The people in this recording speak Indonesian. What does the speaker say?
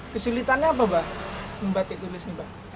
kesulitannya apa mbak membatik tulisnya mbak